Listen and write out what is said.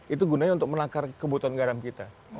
itu gunanya untuk menakar kebutuhan garam kita